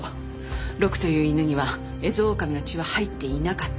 ロクという犬にはエゾオオカミの血は入っていなかった。